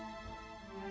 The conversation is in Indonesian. aku sudah berjalan